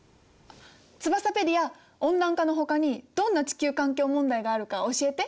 ツバサペディア温暖化のほかにどんな地球環境問題があるか教えて。